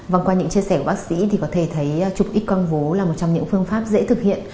vâng qua những chia sẻ của bác sĩ thì có thể thấy trục x quang vố là một trong những phương pháp dễ thực hiện